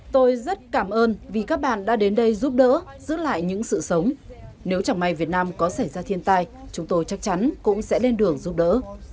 tôi rất cảm ơn vì các bạn đã đến đây giúp đỡ giữ lại những sự sống nếu chẳng may việt nam có xảy ra thiên tai chúng tôi chắc chắn cũng sẽ lên đường giúp đỡ